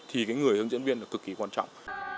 thì cái người hướng dẫn viên là cực kỳ quan trọng